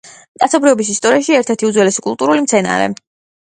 კაცობრიობის ისტორიაში ერთ-ერთი უძველესი კულტურული მცენარე.